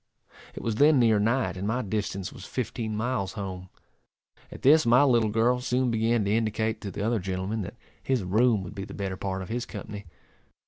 It was then near night, and my distance was fifteen miles home. At this my little girl soon began to indicate to the other gentleman that his room would be the better part of his company.